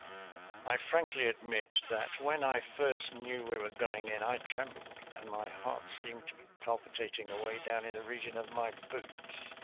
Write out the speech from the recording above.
I frankly admit that when I first knew we were going in I trembled, and my heart seemed to be palpitating away down in the region of my boots.